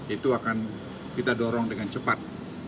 itu akan kita dorong dengan cepat